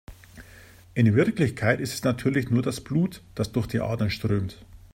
In Wirklichkeit ist es natürlich nur das Blut, das durch die Adern strömt.